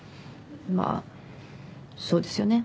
まあそうですよね